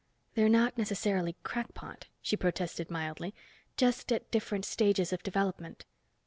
"They're not necessarily crackpot," she protested mildly. "Just at different stages of development."